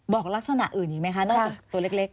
บอกลักษณะอื่นอีกไหมคะนอกจากตัวเล็ก